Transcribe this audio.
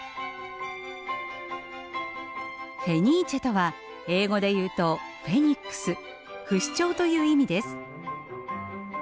フェニーチェとは英語で言うとフェニックス不死鳥という意味です。